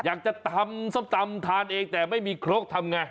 อยากจะตำส้มตำทานเองแต่ไม่มีครกทำไง